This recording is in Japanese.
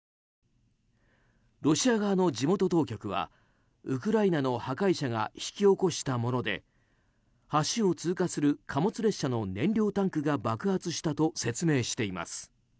ロシア側の地元当局はウクライナの破壊者が引き起こしたもので橋を通過する貨物列車の燃料タンクが爆発したと説明しています。